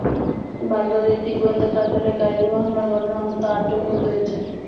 বাগদাদের একটি গোয়েন্দা কার্যালয়ে গাড়িবোমা হামলার ঘটনায় অন্তত আটজন নিহত হয়েছে।